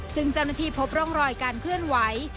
ซึ่งเจ้าหน้าที่พบร่องรอยการเคลื่อนไหว